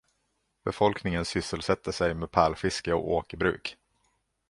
Befolkningen sysselsätter sig med pärlfiske och åkerbruk.